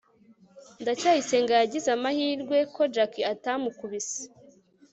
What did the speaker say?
ndacyayisenga yagize amahirwe ko jaki atamukubise